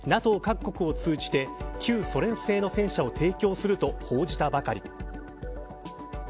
各国を通じて旧ソ連製の戦車を提供すると報じたばかり。